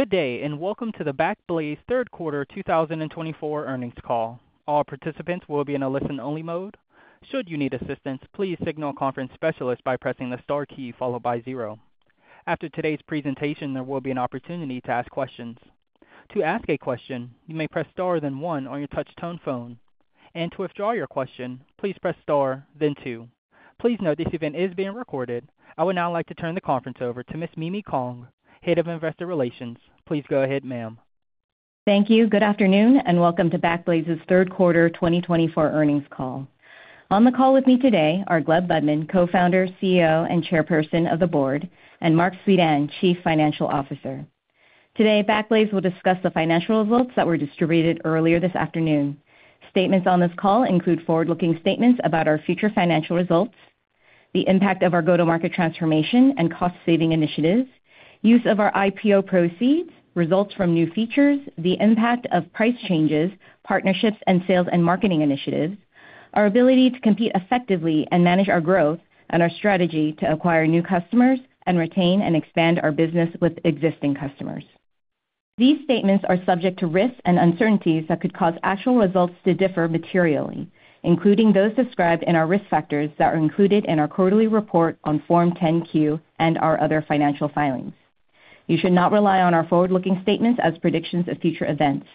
Good day, and welcome to the Backblaze Q3 2024 earnings call. All participants will be in a listen-only mode. Should you need assistance, please signal a conference specialist by pressing the star key followed by zero. After today's presentation, there will be an opportunity to ask questions. To ask a question, you may press star then one on your touch tone phone, and to withdraw your question, please press star then two. Please note this event is being recorded. I would now like to turn the conference over to Ms. Mimi Kong, Head of Investor Relations. Please go ahead, ma'am. Thank you. Good afternoon, and welcome to Backblaze's Q3 2024 earnings call. On the call with me today are Gleb Budman, Co-founder, CEO, and Chairperson of the Board, and Marc Suidan, Chief Financial Officer. Today, Backblaze will discuss the financial results that were distributed earlier this afternoon. Statements on this call include forward-looking statements about our future financial results, the impact of our go-to-market transformation and cost-saving initiatives, use of our IPO proceeds, results from new features, the impact of price changes, partnerships, and sales and marketing initiatives, our ability to compete effectively and manage our growth, and our strategy to acquire new customers and retain and expand our business with existing customers. These statements are subject to risks and uncertainties that could cause actual results to differ materially, including those described in our risk factors that are included in our quarterly report on Form 10-Q and our other financial filings. You should not rely on our forward-looking statements as predictions of future events.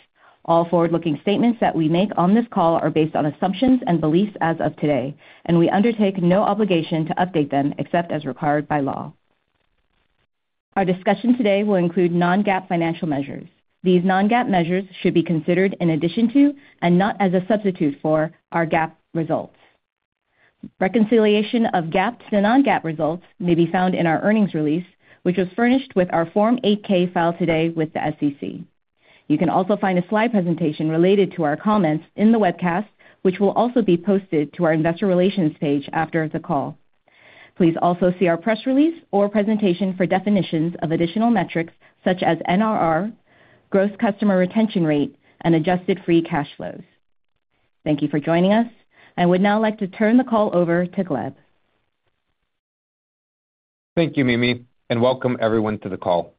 All forward-looking statements that we make on this call are based on assumptions and beliefs as of today, and we undertake no obligation to update them except as required by law. Our discussion today will include non-GAAP financial measures. These non-GAAP measures should be considered in addition to, and not as a substitute for, our GAAP results. Reconciliation of GAAP to non-GAAP results may be found in our earnings release, which was furnished with our Form 8-K filed today with the SEC. You can also find a slide presentation related to our comments in the webcast, which will also be posted to our Investor Relations page after the call. Please also see our press release or presentation for definitions of additional metrics such as NRR, Gross Customer Retention Rate, and Adjusted Free Cash Flows. Thank you for joining us, and I would now like to turn the call over to Gleb. Thank you, Mimi, and welcome everyone to the call.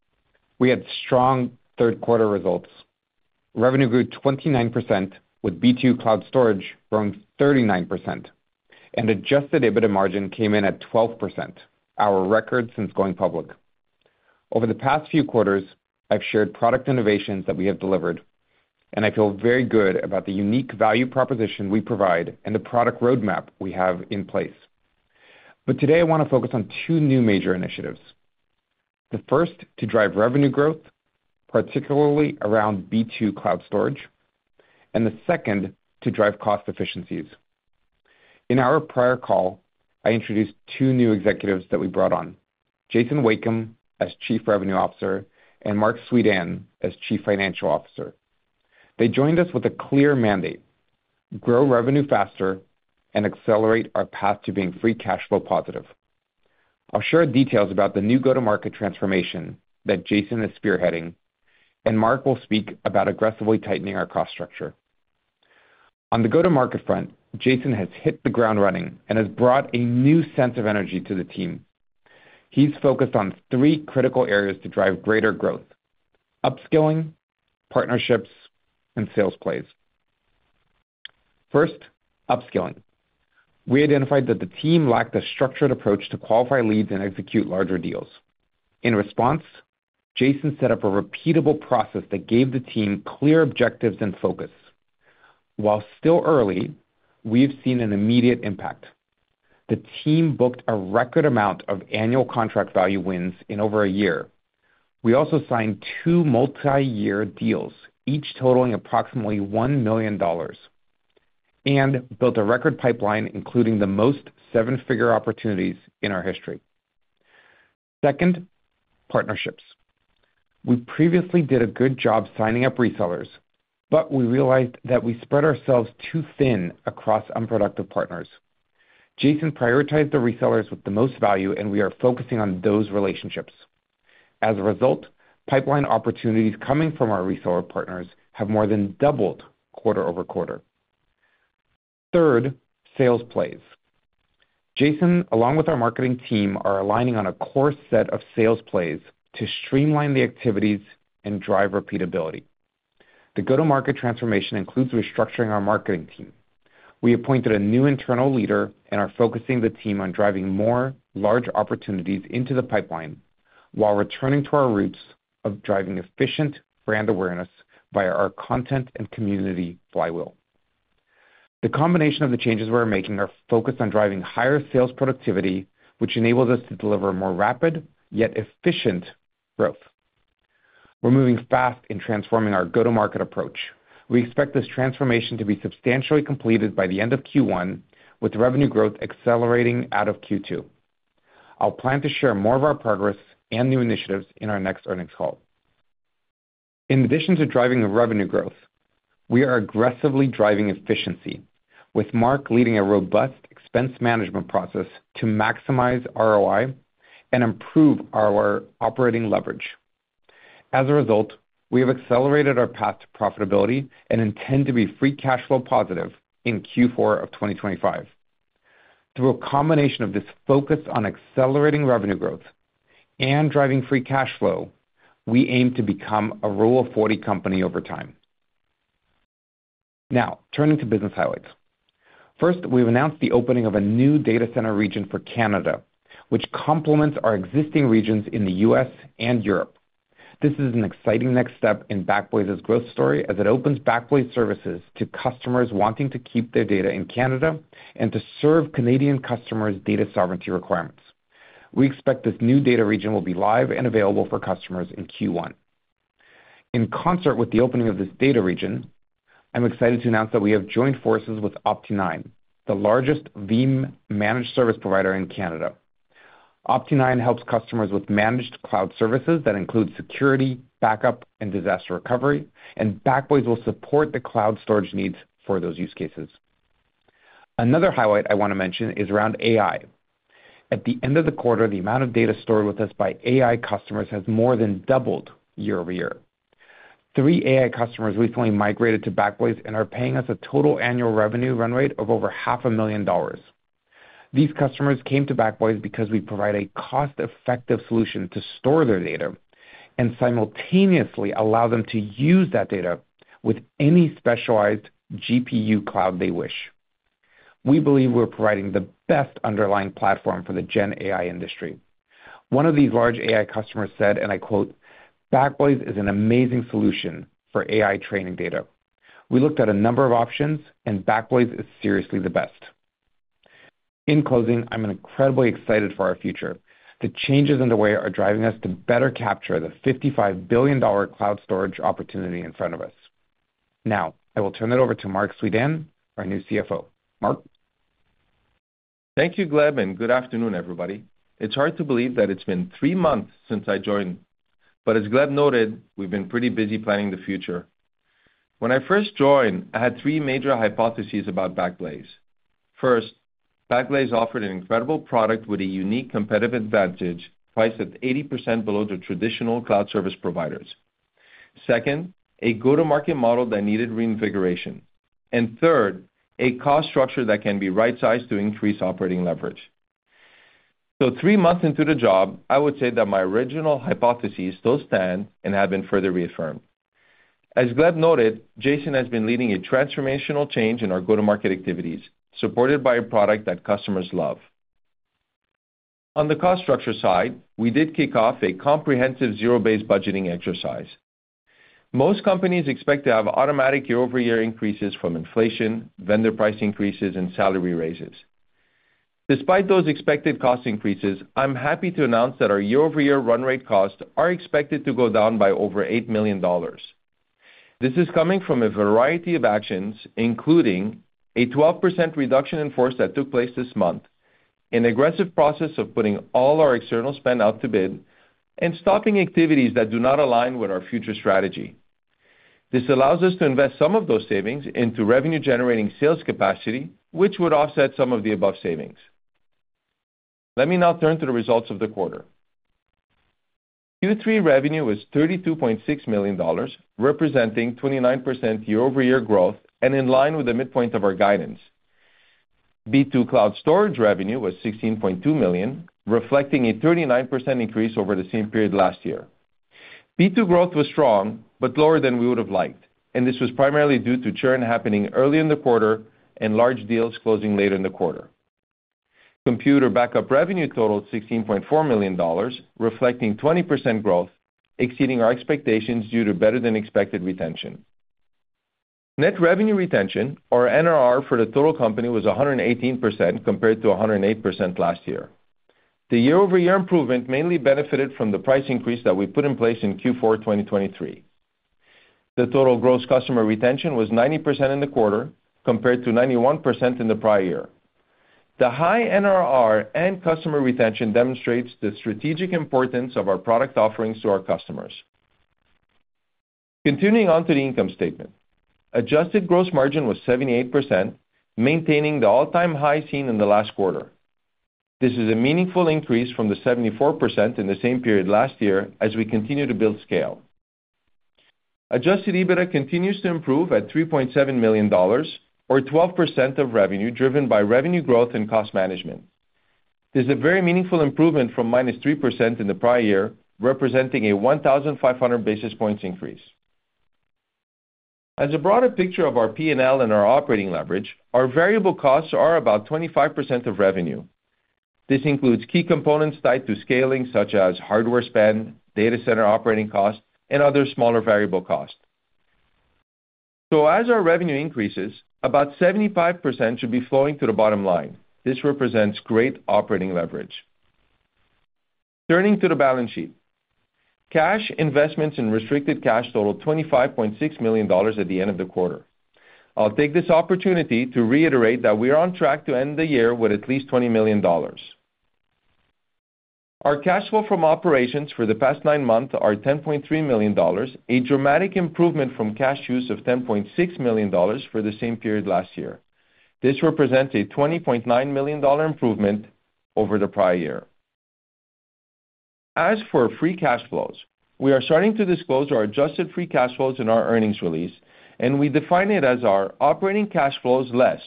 We had strong Q3 results. Revenue grew 29% with B2 cloud storage growing 39%, and Adjusted EBITDA margin came in at 12%, our record since going public. Over the past few quarters, I've shared product innovations that we have delivered, and I feel very good about the unique value proposition we provide and the product roadmap we have in place. But today, I want to focus on two new major initiatives. The first to drive revenue growth, particularly around B2 cloud storage, and the second to drive cost efficiencies. In our prior call, I introduced two new executives that we brought on: Jason Wakeam as Chief Revenue Officer and Marc Suidan as Chief Financial Officer. They joined us with a clear mandate: grow revenue faster and accelerate our path to being free cash flow positive. I'll share details about the new go-to-market transformation that Jason is spearheading, and Marc will speak about aggressively tightening our cost structure. On the go-to-market front, Jason has hit the ground running and has brought a new sense of energy to the team. He's focused on three critical areas to drive greater growth: upskilling, partnerships, and sales plays. First, upskilling. We identified that the team lacked a structured approach to qualify leads and execute larger deals. In response, Jason set up a repeatable process that gave the team clear objectives and focus. While still early, we've seen an immediate impact. The team booked a record amount of annual contract value wins in over a year. We also signed two multi-year deals, each totaling approximately $1 million, and built a record pipeline, including the most seven-figure opportunities in our history. Second, partnerships. We previously did a good job signing up resellers, but we realized that we spread ourselves too thin across unproductive partners. Jason prioritized the resellers with the most value, and we are focusing on those relationships. As a result, pipeline opportunities coming from our reseller partners have more than doubled quarter-over-quarter. Third, sales plays. Jason, along with our marketing team, are aligning on a core set of sales plays to streamline the activities and drive repeatability. The go-to-market transformation includes restructuring our marketing team. We appointed a new internal leader and are focusing the team on driving more large opportunities into the pipeline while returning to our roots of driving efficient brand awareness via our content and community flywheel. The combination of the changes we're making are focused on driving higher sales productivity, which enables us to deliver more rapid yet efficient growth. We're moving fast in transforming our go-to-market approach. We expect this transformation to be substantially completed by the end of Q1, with revenue growth accelerating out of Q2. I'll plan to share more of our progress and new initiatives in our next earnings call. In addition to driving revenue growth, we are aggressively driving efficiency, with Marc leading a robust expense management process to maximize ROI and improve our operating leverage. As a result, we have accelerated our path to profitability and intend to be free cash flow positive in Q4 of 2025. Through a combination of this focus on accelerating revenue growth and driving free cash flow, we aim to become a Rule of 40 company over time. Now, turning to business highlights. First, we've announced the opening of a new data center region for Canada, which complements our existing regions in the U.S. and Europe. This is an exciting next step in Backblaze's growth story as it opens Backblaze services to customers wanting to keep their data in Canada and to serve Canadian customers' data sovereignty requirements. We expect this new data region will be live and available for customers in Q1. In concert with the opening of this data region, I'm excited to announce that we have joined forces with Opti9, the largest Veeam managed service provider in Canada. Opti9 helps customers with managed cloud services that include security, backup, and disaster recovery, and Backblaze will support the cloud storage needs for those use cases. Another highlight I want to mention is around AI. At the end of the quarter, the amount of data stored with us by AI customers has more than doubled year-over-year. Three AI customers recently migrated to Backblaze and are paying us a total annual revenue run rate of over $500,000. These customers came to Backblaze because we provide a cost-effective solution to store their data and simultaneously allow them to use that data with any specialized GPU cloud they wish. We believe we're providing the best underlying platform for the Gen AI industry. One of these large AI customers said, and I quote, "Backblaze is an amazing solution for AI training data. We looked at a number of options, and Backblaze is seriously the best." In closing, I'm incredibly excited for our future. The changes in the way are driving us to better capture the $55 billion cloud storage opportunity in front of us. Now, I will turn it over to Marc Suidan, our new CFO. Marc. Thank you, Gleb, and good afternoon, everybody. It's hard to believe that it's been three months since I joined, but as Gleb noted, we've been pretty busy planning the future. When I first joined, I had three major hypotheses about Backblaze. First, Backblaze offered an incredible product with a unique competitive advantage, priced at 80% below the traditional cloud service providers. Second, a go-to-market model that needed reinvigoration. And third, a cost structure that can be right-sized to increase operating leverage. So, three months into the job, I would say that my original hypotheses still stand and have been further reaffirmed. As Gleb noted, Jason has been leading a transformational change in our go-to-market activities, supported by a product that customers love. On the cost structure side, we did kick off a comprehensive zero-based budgeting exercise. Most companies expect to have automatic year-over-year increases from inflation, vendor price increases, and salary raises. Despite those expected cost increases, I'm happy to announce that our year-over-year run rate costs are expected to go down by over $8 million. This is coming from a variety of actions, including a 12% reduction in force that took place this month, an aggressive process of putting all our external spend out to bid, and stopping activities that do not align with our future strategy. This allows us to invest some of those savings into revenue-generating sales capacity, which would offset some of the above savings. Let me now turn to the results of the quarter. Q3 revenue was $32.6 million, representing 29% year-over-year growth and in line with the midpoint of our guidance. B2 cloud storage revenue was $16.2 million, reflecting a 39% increase over the same period last year. B2 growth was strong but lower than we would have liked, and this was primarily due to churn happening early in the quarter and large deals closing later in the quarter. Computer Backup revenue totaled $16.4 million, reflecting 20% growth, exceeding our expectations due to better-than-expected retention. Net revenue retention, or NRR for the total company, was 118% compared to 108% last year. The year-over-year improvement mainly benefited from the price increase that we put in place in Q4 2023. The total gross customer retention was 90% in the quarter, compared to 91% in the prior year. The high NRR and customer retention demonstrates the strategic importance of our product offerings to our customers. Continuing on to the income statement, adjusted gross margin was 78%, maintaining the all-time high seen in the last quarter. This is a meaningful increase from the 74% in the same period last year as we continue to build scale. Adjusted EBITDA continues to improve at $3.7 million, or 12% of revenue driven by revenue growth and cost management. This is a very meaningful improvement from minus 3% in the prior year, representing a 1,500 basis points increase. As a broader picture of our P&L and our operating leverage, our variable costs are about 25% of revenue. This includes key components tied to scaling, such as hardware spend, data center operating costs, and other smaller variable costs. So, as our revenue increases, about 75% should be flowing to the bottom line. This represents great operating leverage. Turning to the balance sheet, cash investments in restricted cash totaled $25.6 million at the end of the quarter. I'll take this opportunity to reiterate that we are on track to end the year with at least $20 million. Our cash flow from operations for the past nine months is $10.3 million, a dramatic improvement from cash use of $10.6 million for the same period last year. This represents a $20.9 million improvement over the prior year. As for free cash flows, we are starting to disclose our adjusted free cash flows in our earnings release, and we define it as our operating cash flows less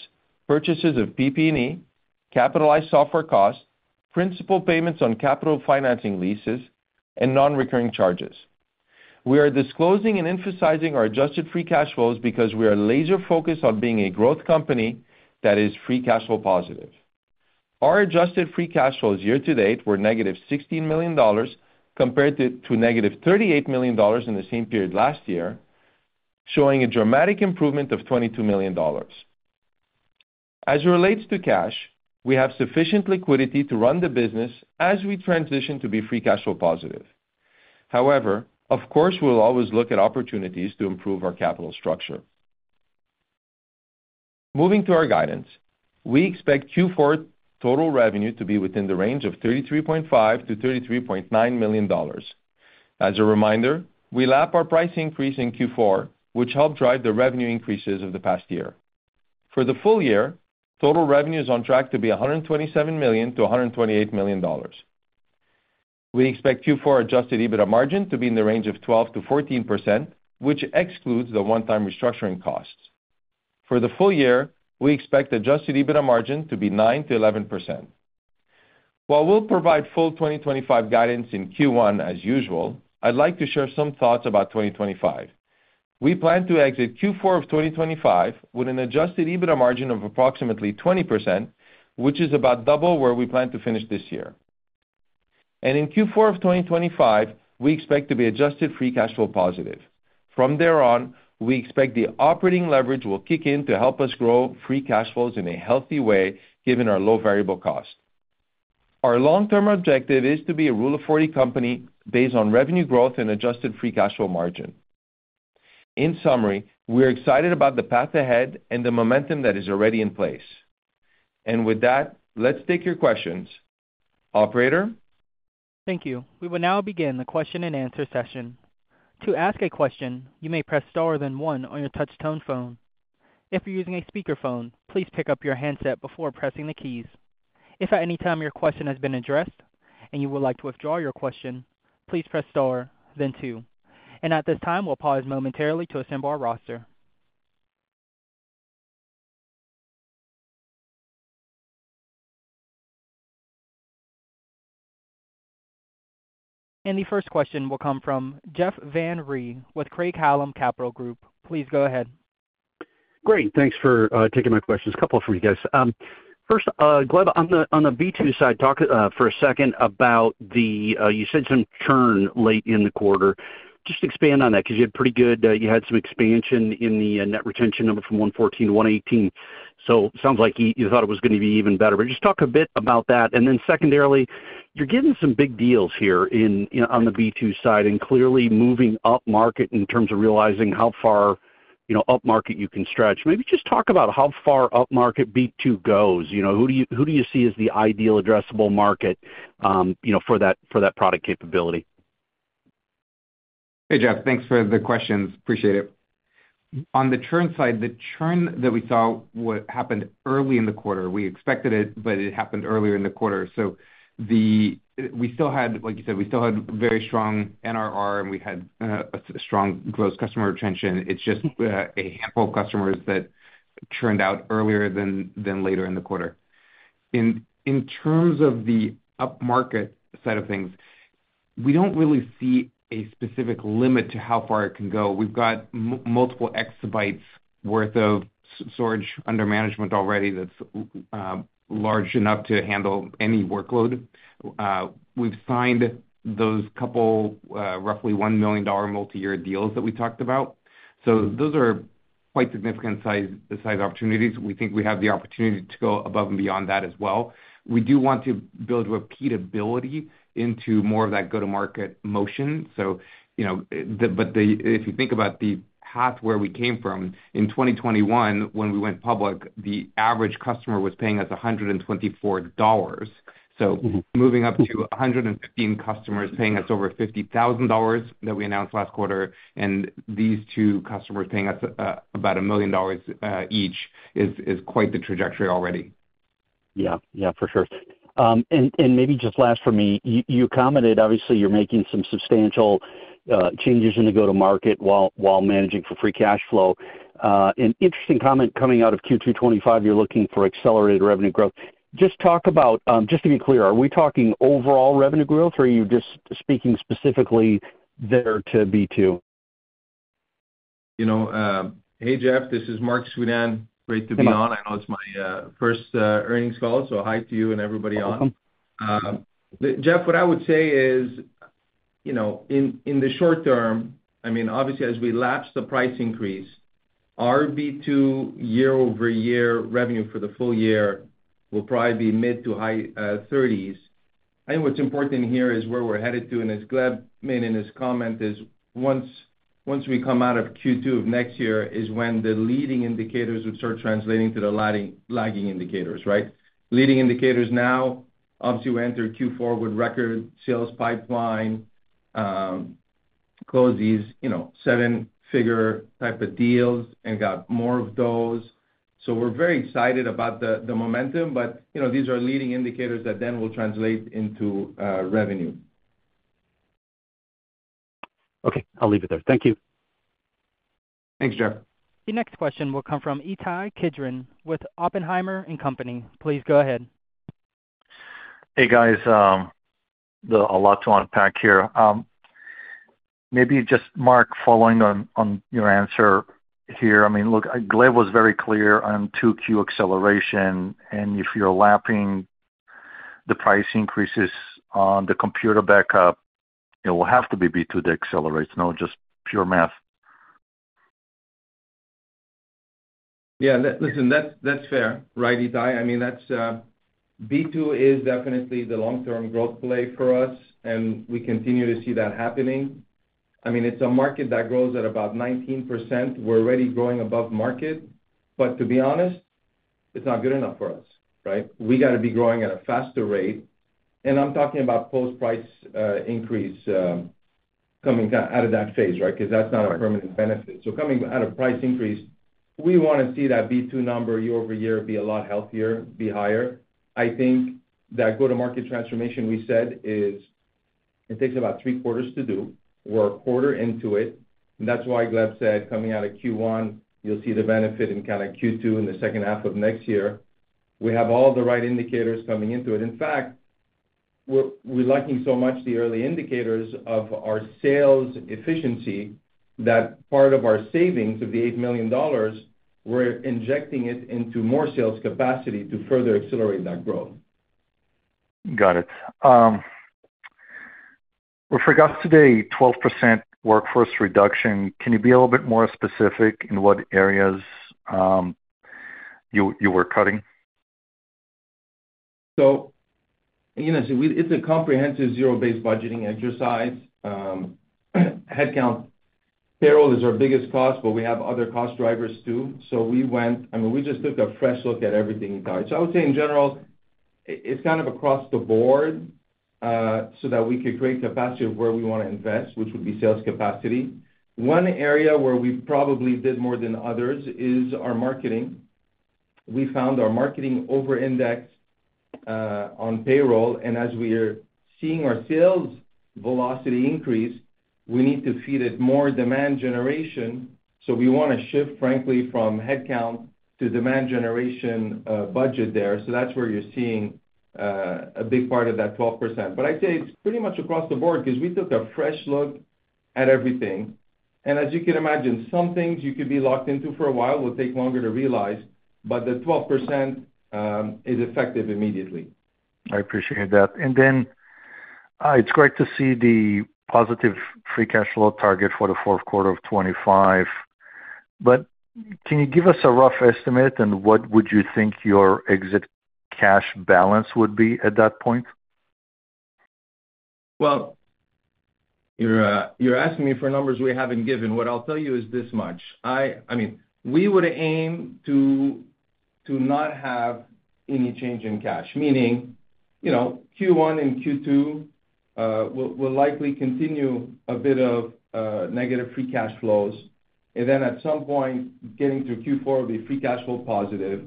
purchases of PP&E, capitalized software costs, principal payments on capital financing leases, and non-recurring charges. We are disclosing and emphasizing our adjusted free cash flows because we are laser-focused on being a growth company that is free cash flow positive. Our adjusted free cash flows year-to-date were negative $16 million compared to negative $38 million in the same period last year, showing a dramatic improvement of $22 million. As it relates to cash, we have sufficient liquidity to run the business as we transition to be free cash flow positive. However, of course, we'll always look at opportunities to improve our capital structure. Moving to our guidance, we expect Q4 total revenue to be within the range of $33.5-$33.9 million. As a reminder, we lap our price increase in Q4, which helped drive the revenue increases of the past year. For the full year, total revenue is on track to be $127-$128 million. We expect Q4 adjusted EBITDA margin to be in the range of 12%-14%, which excludes the one-time restructuring costs. For the full year, we expect Adjusted EBITDA margin to be 9%-11%. While we'll provide full 2025 guidance in Q1 as usual, I'd like to share some thoughts about 2025. We plan to exit Q4 of 2025 with an Adjusted EBITDA margin of approximately 20%, which is about double where we plan to finish this year. And in Q4 of 2025, we expect to be Adjusted Free Cash Flow positive. From there on, we expect the operating leverage will kick in to help us grow free cash flows in a healthy way given our low variable cost. Our long-term objective is to be a Rule of 40 company based on revenue growth and Adjusted Free Cash Flow margin. In summary, we're excited about the path ahead and the momentum that is already in place. And with that, let's take your questions. Operator. Thank you. We will now begin the question and answer session. To ask a question, you may press star or then one on your touch-tone phone. If you're using a speakerphone, please pick up your handset before pressing the keys. If at any time your question has been addressed and you would like to withdraw your question, please press star, then two. And at this time, we'll pause momentarily to assemble our roster. And the first question will come from Jeff Van Rhee with Craig-Hallum Capital Group. Please go ahead. Great. Thanks for taking my questions. A couple for you guys. First, Gleb, on the B2 side, talk for a second about you said some churn late in the quarter. Just expand on that because you had pretty good some expansion in the net retention number from 114 to 118. So it sounds like you thought it was going to be even better. But just talk a bit about that. And then secondarily, you're getting some big deals here on the B2 side and clearly moving up market in terms of realizing how far up market you can stretch. Maybe just talk about how far up market B2 goes. Who do you see as the ideal addressable market for that product capability? Hey, Jeff. Thanks for the questions. Appreciate it. On the churn side, the churn that we saw happened early in the quarter. We expected it, but it happened earlier in the quarter, so we still had, like you said, we still had very strong NRR, and we had a strong gross customer retention. It's just a handful of customers that churned out earlier than later in the quarter. In terms of the up market side of things, we don't really see a specific limit to how far it can go. We've got multiple exabytes worth of storage under management already that's large enough to handle any workload. We've signed those couple roughly $1 million multi-year deals that we talked about, so those are quite significant size opportunities. We think we have the opportunity to go above and beyond that as well. We do want to build rapid ability into more of that go-to-market motion. But if you think about the path where we came from, in 2021, when we went public, the average customer was paying us $124, so moving up to 115 customers paying us over $50,000 that we announced last quarter, and these two customers paying us about $1 million each is quite the trajectory already. Yeah. Yeah, for sure. And maybe just last for me, you commented, obviously, you're making some substantial changes in the go-to-market while managing for free cash flow. An interesting comment coming out of Q2 2025, you're looking for accelerated revenue growth. Just talk about, just to be clear, are we talking overall revenue growth or are you just speaking specifically there to B2? Hey, Jeff, this is Marc Suidan. Great to be on. I know it's my first earnings call, so hi to you and everybody on. Jeff, what I would say is in the short term, I mean, obviously, as we lap the price increase, our B2 year-over-year revenue for the full year will probably be mid to high 30s. I think what's important here is where we're headed to, and as Gleb mentioned in his comments, once we come out of Q2 of next year is when the leading indicators would start translating to the lagging indicators, right? Leading indicators now, obviously, we enter Q4 with record sales pipeline, closed these seven-figure type of deals and got more of those. So we're very excited about the momentum, but these are leading indicators that then will translate into revenue. Okay. I'll leave it there. Thank you. Thanks, Jeff. The next question will come from Ittai Kidron with Oppenheimer & Co. Inc. Please go ahead. Hey, guys. A lot to unpack here. Maybe just Marc, following on your answer here. I mean, look, Gleb was very clear on 2Q acceleration, and if you're lapping the price increases on the Computer Backup, it will have to be B2 to accelerate, not just pure math. Yeah. Listen, that's fair, right, Ittai? I mean, B2 is definitely the long-term growth play for us, and we continue to see that happening. I mean, it's a market that grows at about 19%. We're already growing above market, but to be honest, it's not good enough for us, right? We got to be growing at a faster rate. And I'm talking about post-price increase coming out of that phase, right, because that's not a permanent benefit. So coming out of price increase, we want to see that B2 number year-over-year be a lot healthier, be higher. I think that go-to-market transformation we said is it takes about three quarters to do. We're a quarter into it. And that's why Gleb said coming out of Q1, you'll see the benefit in kind of Q2 and the second half of next year. We have all the right indicators coming into it. In fact, we're liking so much the early indicators of our sales efficiency that part of our savings of the $8 million, we're injecting it into more sales capacity to further accelerate that growth. Got it. We forgot today, 12% workforce reduction. Can you be a little bit more specific in what areas you were cutting? It's a comprehensive zero-based budgeting exercise. Headcount payroll is our biggest cost, but we have other cost drivers too. We went. I mean, we just took a fresh look at everything, you guys. I would say in general, it's kind of across the board so that we could create capacity of where we want to invest, which would be sales capacity. One area where we probably did more than others is our marketing. We found our marketing over-indexed on payroll, and as we are seeing our sales velocity increase, we need to feed it more demand generation. We want to shift, frankly, from headcount to demand generation budget there. That's where you're seeing a big part of that 12%. But I'd say it's pretty much across the board because we took a fresh look at everything. As you can imagine, some things you could be locked into for a while will take longer to realize, but the 12% is effective immediately. I appreciate that. And then it's great to see the positive free cash flow target for the fourth quarter of 2025. But can you give us a rough estimate, and what would you think your exit cash balance would be at that point? You're asking me for numbers we haven't given. What I'll tell you is this much. I mean, we would aim to not have any change in cash, meaning Q1 and Q2 will likely continue a bit of negative free cash flows. And then at some point, getting to Q4 will be free cash flow positive.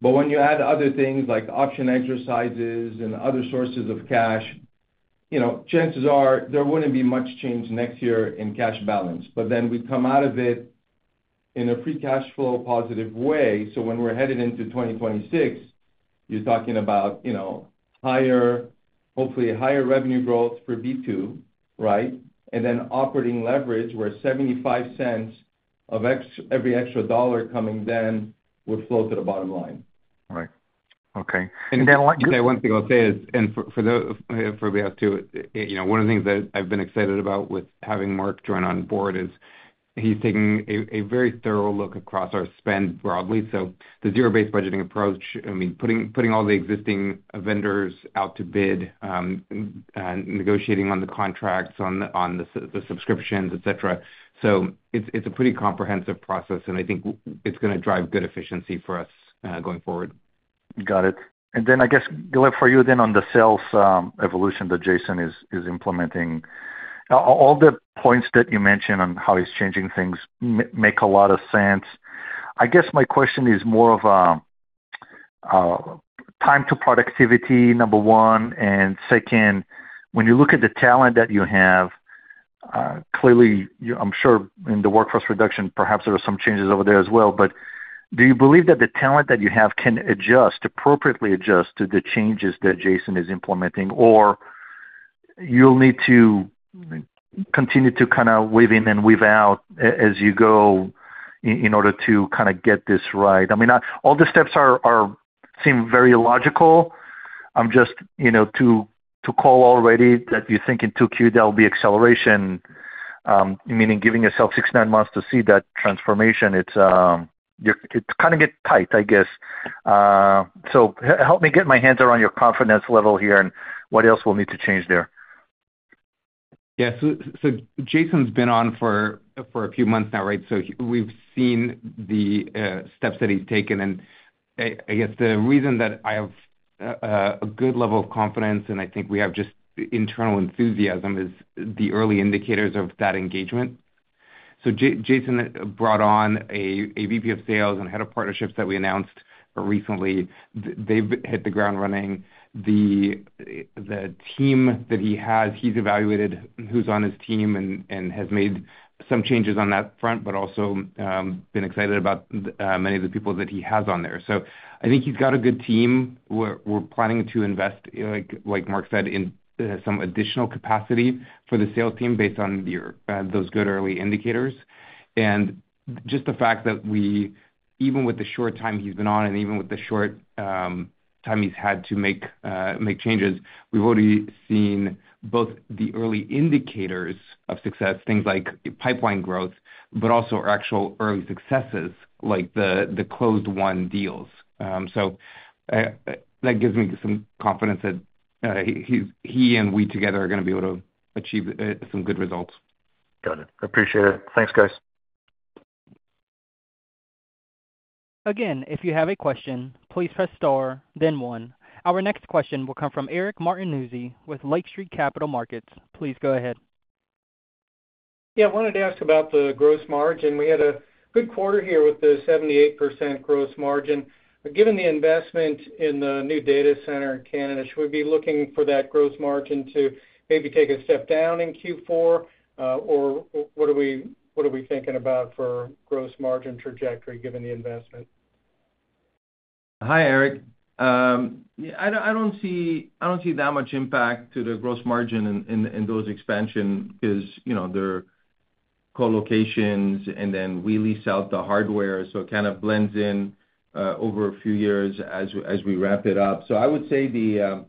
But when you add other things like option exercises and other sources of cash, chances are there wouldn't be much change next year in cash balance. But then we come out of it in a free cash flow positive way. So when we're headed into 2026, you're talking about hopefully higher revenue growth for B2, right? And then operating leverage where $0.75 of every extra $1 coming then would flow to the bottom line. Right. Okay. Then one thing I'll say is, and for the rest too, one of the things that I've been excited about with having Marc join on board is he's taking a very thorough look across our spend broadly. So the zero-based budgeting approach, I mean, putting all the existing vendors out to bid, negotiating on the contracts, on the subscriptions, etc. So it's a pretty comprehensive process, and I think it's going to drive good efficiency for us going forward. Got it. And then I guess, Gleb, for you then on the sales evolution that Jason is implementing, all the points that you mentioned on how he's changing things make a lot of sense. I guess my question is more of a time to productivity, number one. And second, when you look at the talent that you have, clearly, I'm sure in the workforce reduction, perhaps there are some changes over there as well. But do you believe that the talent that you have can adjust, appropriately adjust to the changes that Jason is implementing, or you'll need to continue to kind of weave in and weave out as you go in order to kind of get this right? I mean, all the steps seem very logical. I'm just to call already that you're thinking 2Q, there'll be acceleration, meaning giving yourself six-to-nine months to see that transformation. It's kind of getting tight, I guess. So help me get my hands around your confidence level here and what else we'll need to change there. Yeah. So Jason's been on for a few months now, right? So we've seen the steps that he's taken. And I guess the reason that I have a good level of confidence, and I think we have just internal enthusiasm, is the early indicators of that engagement. So Jason brought on a VP of sales and head of partnerships that we announced recently. They've hit the ground running. The team that he has, he's evaluated who's on his team and has made some changes on that front, but also been excited about many of the people that he has on there. So I think he's got a good team. We're planning to invest, like Marc said, in some additional capacity for the sales team based on those good early indicators. And just the fact that even with the short time he's been on and even with the short time he's had to make changes, we've already seen both the early indicators of success, things like pipeline growth, but also actual early successes like the closed-won deals. So that gives me some confidence that he and we together are going to be able to achieve some good results. Got it. Appreciate it. Thanks, guys. Again, if you have a question, please press star, then one. Our next question will come from Eric Martinuzzi with Lake Street Capital Markets. Please go ahead. Yeah. I wanted to ask about the gross margin. We had a good quarter here with the 78% gross margin. Given the investment in the new data center in Canada, should we be looking for that gross margin to maybe take a step down in Q4, or what are we thinking about for gross margin trajectory given the investment? Hi, Eric. I don't see that much impact to the gross margin in those expansions because they're colocations and then we lease out the hardware. So it kind of blends in over a few years as we wrap it up. So I would say the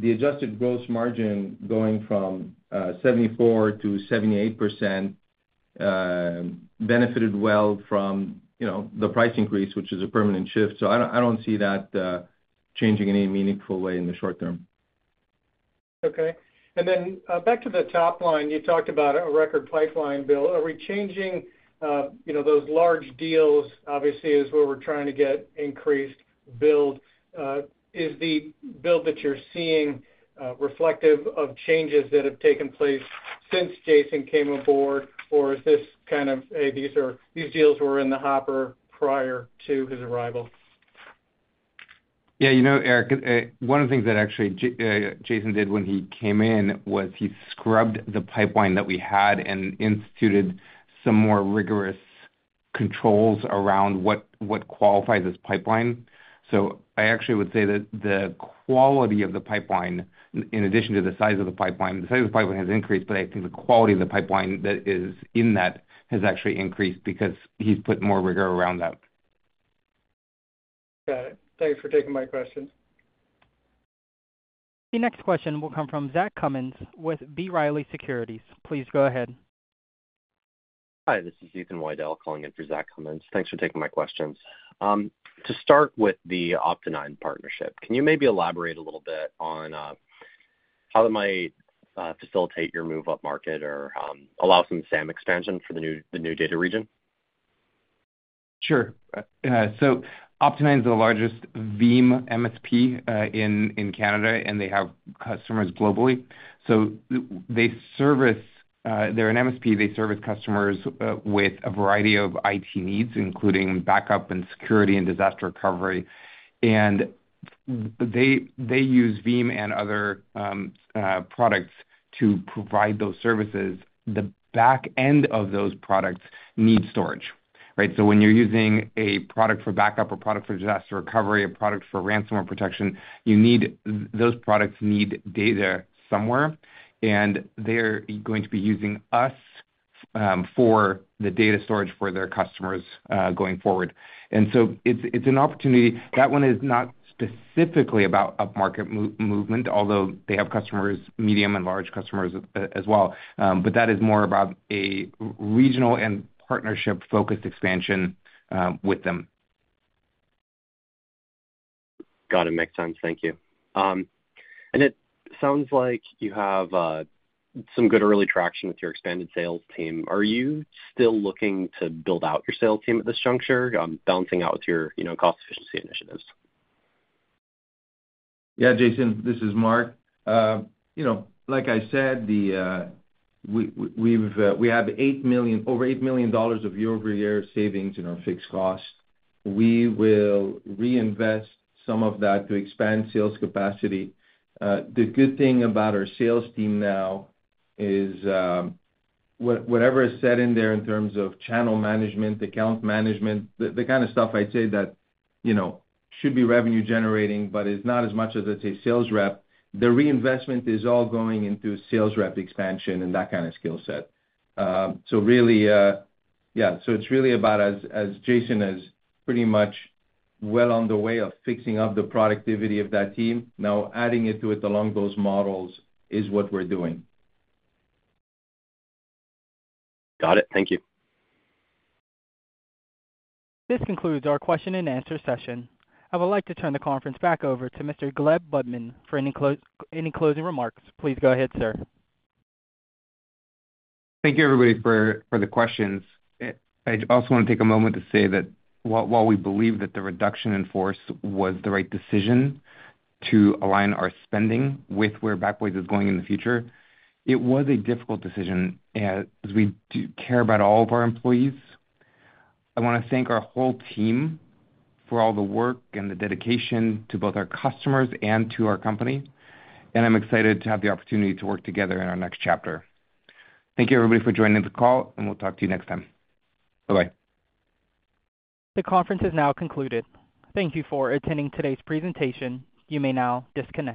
adjusted gross margin going from 74%-78% benefited well from the price increase, which is a permanent shift. So I don't see that changing in any meaningful way in the short term. Okay. And then back to the top line, you talked about a record pipeline build. Are we chasing those large deals? Obviously, as we're trying to get increased build, is the build that you're seeing reflective of changes that have taken place since Jason came on board, or is this kind of, "Hey, these deals were in the hopper prior to his arrival"? Yeah. You know, Eric, one of the things that actually Jason did when he came in was he scrubbed the pipeline that we had and instituted some more rigorous controls around what qualifies as pipeline. So I actually would say that the quality of the pipeline, in addition to the size of the pipeline, the size of the pipeline has increased, but I think the quality of the pipeline that is in that has actually increased because he's put more rigor around that. Got it. Thanks for taking my questions. The next question will come from Zach Cummins with B. Riley Securities. Please go ahead. Hi, this is Ethan Widell calling in for Zach Cummins. Thanks for taking my questions. To start with the Opti9 partnership, can you maybe elaborate a little bit on how they might facilitate your move-up market or allow some SAM expansion for the new data region? Sure. So Opti9 is the largest Veeam MSP in Canada, and they have customers globally. So they service their MSP, they service customers with a variety of IT needs, including backup and security and disaster recovery. And they use Veeam and other products to provide those services. The back end of those products need storage, right? So when you're using a product for backup, a product for disaster recovery, a product for ransomware protection, those products need data somewhere, and they're going to be using us for the data storage for their customers going forward. And so it's an opportunity. That one is not specifically about up-market movement, although they have customers, medium and large customers as well. But that is more about a regional and partnership-focused expansion with them. Got it. Makes sense. Thank you. And it sounds like you have some good early traction with your expanded sales team. Are you still looking to build out your sales team at this juncture, balancing out with your cost-efficiency initiatives? Yeah, Jason, this is Marc. Like I said, we have over $8 million of year-over-year savings in our fixed cost. We will reinvest some of that to expand sales capacity. The good thing about our sales team now is whatever is set in there in terms of channel management, account management, the kind of stuff I'd say that should be revenue-generating, but is not as much as, let's say, sales rep. The reinvestment is all going into sales rep expansion and that kind of skill set. So really, yeah. So it's really about, as Jason is pretty much well on the way of fixing up the productivity of that team, now adding it to it along those models is what we're doing. Got it. Thank you. This concludes our question-and-answer session. I would like to turn the conference back over to Mr. Gleb Budman for any closing remarks. Please go ahead, sir. Thank you, everybody, for the questions. I also want to take a moment to say that while we believe that the reduction in force was the right decision to align our spending with where Backblaze is going in the future, it was a difficult decision as we care about all of our employees. I want to thank our whole team for all the work and the dedication to both our customers and to our company, and I'm excited to have the opportunity to work together in our next chapter. Thank you, everybody, for joining the call, and we'll talk to you next time. Bye-bye. The conference is now concluded. Thank you for attending today's presentation. You may now disconnect.